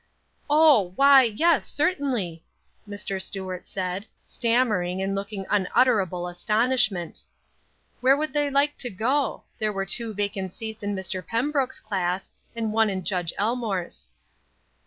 "Oh, why, yes, certainly," Mr. Stuart said, stammering and looking unutterable astonishment. "Where would they like to go? There were two vacant seats in Mr. Pembrook's class, and one in Judge Elmore's."